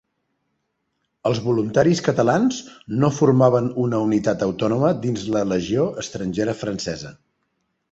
Els voluntaris catalans no formaven una unitat autònoma dins la Legió Estrangera Francesa.